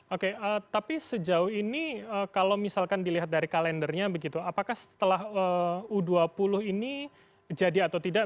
oke tapi sejauh ini kalau misalkan dilihat dari kalendernya begitu apakah setelah u dua puluh ini jadi atau tidak